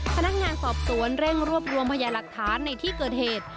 พนักงานสอบสวนเร่งรวบรวมพยาหลักฐานในที่เกิดเหตุ